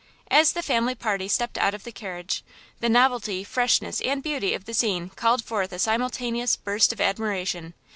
As the family party stepped out of the carriage, the novelty, freshness and beauty of the scene called forth a simultaneous burst of admiration.